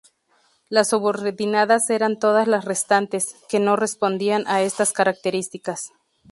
Las subordinadas eran todas las restantes, que no respondían a estas características.